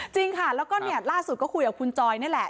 จริงค่ะแล้วก็เนี่ยล่าสุดก็คุยกับคุณจอยนี่แหละ